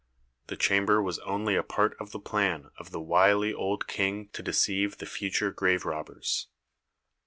The chamber was only a part of the plan of the wily old King to deceive the future grave robbers.